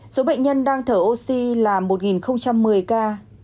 số bệnh nhân đang thở oxy là một một mươi ca